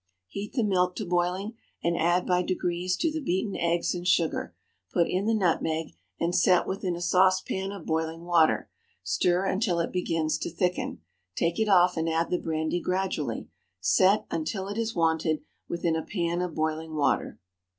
Heat the milk to boiling, and add by degrees to the beaten eggs and sugar; put in the nutmeg, and set within a saucepan of boiling water. Stir until it begins to thicken. Take it off and add the brandy gradually. Set, until it is wanted, within a pan of boiling water.